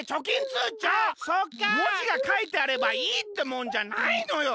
もじがかいてあればいいってもんじゃないのよ。